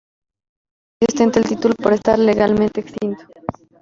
Actualmente nadie ostenta el título, por estar legalmente extinto.